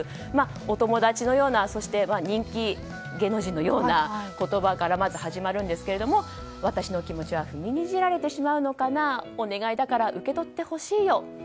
お友達のような人気芸能人のような言葉からまず始まるんですけれども私の気持ちは踏みにじられてしまうのかなお願いだから受け取ってほしいよ